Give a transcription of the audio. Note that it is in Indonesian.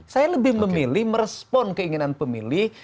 saya lebih memilih merespon keinginan pemilih